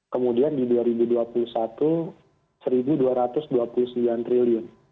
kemudian di dua ribu dua puluh satu rp satu dua ratus dua puluh sembilan triliun